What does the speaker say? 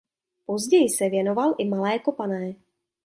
Později se věnoval i malé kopané.